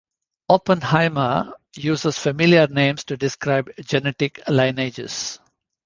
Oppenheimer uses familiar names to describe genetic lineages.